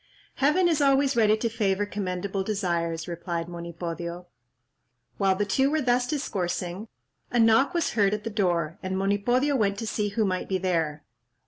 "Heaven is always ready to favour commendable desires," replied Monipodio. While the two were thus discoursing, a knock was heard at the door, and Monipodio went to see who might be there.